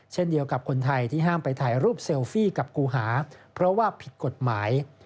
เช่นเดียวกับคนไทยที่ห้ามไปถ่ายรูปเซลฟี่กับกูหาเพราะว่าผิดกฎหมาย